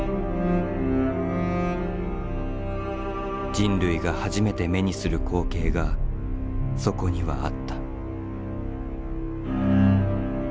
人類が初めて目にする光景がそこにはあった。